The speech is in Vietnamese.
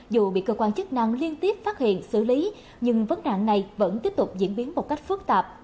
dù bị cơ quan chức năng liên tiếp phát hiện xử lý nhưng vấn nạn này vẫn tiếp tục diễn biến một cách phức tạp